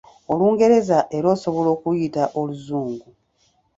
Olungereza era osobola okuluyita Oluzungu.